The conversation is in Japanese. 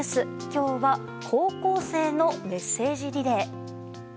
今日は高校生のメッセージリレー。